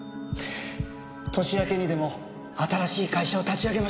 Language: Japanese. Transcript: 年明けにでも新しい会社を立ち上げましょう！